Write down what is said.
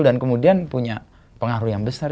dan kemudian punya pengaruh yang besar